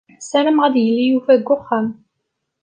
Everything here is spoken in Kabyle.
Ssarameɣ ad yili Yuba deg uxxam.